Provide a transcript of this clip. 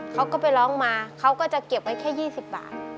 เขาก็ไปร้องมาเขาก็จะเก็บไว้แค่๒๐บาท